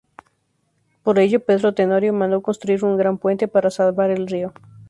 Por ello, Pedro Tenorio mandó construir un gran puente para salvar el río.